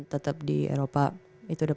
tetap di eropa itu udah